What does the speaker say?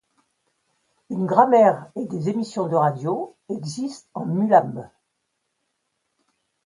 Une grammaire et des émissions de radio existent en mulam.